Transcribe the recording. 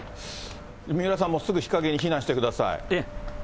三浦さんもすぐ日陰に避難してください。